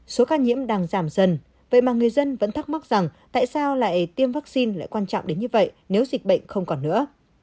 số ca nhiễm đang giảm dần vậy mà người dân vẫn thắc mắc rằng tại sao lại tiêm vaccine lại quan trọng đến như vậy nếu dịch bệnh không còn nữa